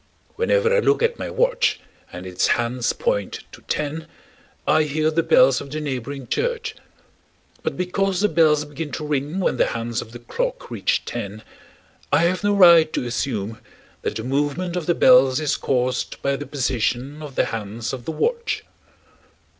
Whenever I look at my watch and its hands point to ten, I hear the bells of the neighboring church; but because the bells begin to ring when the hands of the clock reach ten, I have no right to assume that the movement of the bells is caused by the position of the hands of the watch.